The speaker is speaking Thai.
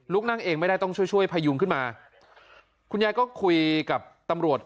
นั่งเองไม่ได้ต้องช่วยช่วยพยุงขึ้นมาคุณยายก็คุยกับตำรวจ